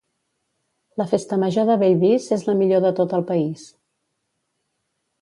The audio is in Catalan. La Festa Major de Bellvís és la millor de tot el país.